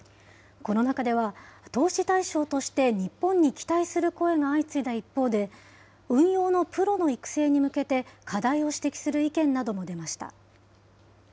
この中では、投資対象として日本に期待する声が相次いだ一方で、運用のプロの育成に向けて課題を指摘する意見なども出ました。